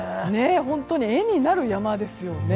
本当に絵になる山ですよね。